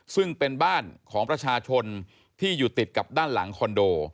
ซึ่งเป็นบ้านของประชาชนที่อยู่ติดกับด้านหลังคอนโด